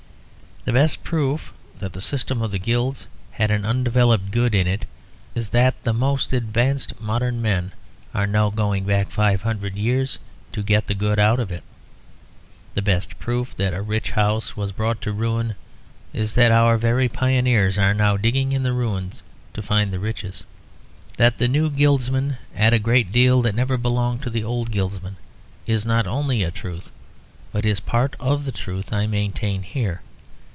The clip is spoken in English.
The best proof that the system of the guilds had an undeveloped good in it is that the most advanced modern men are now going back five hundred years to get the good out of it. The best proof that a rich house was brought to ruin is that our very pioneers are now digging in the ruins to find the riches. That the new guildsmen add a great deal that never belonged to the old guildsmen is not only a truth, but is part of the truth I maintain here.